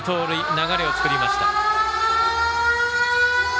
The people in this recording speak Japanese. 流れを作りました。